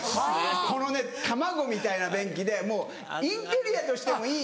このね卵みたいな便器でもうインテリアとしてもいい。